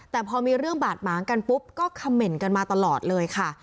แต่พอมีเรื่องบาดหมางกันปุ๊บก็คำเหน่นกันมาตลอดเลยค่ะ